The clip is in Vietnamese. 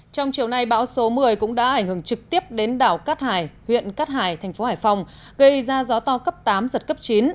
trong chiều nay bão số một mươi cũng đã ảnh hưởng trực tiếp đến đảo cát hải huyện cát hải thành phố hải phòng gây ra gió to cấp tám giật cấp chín